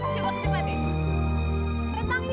coba ke depan ya